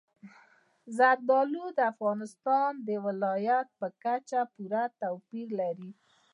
زردالو د افغانستان د ولایاتو په کچه پوره توپیر لري.